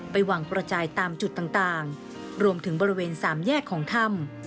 วางกระจายตามจุดต่างรวมถึงบริเวณสามแยกของถ้ำ